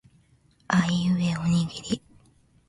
あいうえおにぎり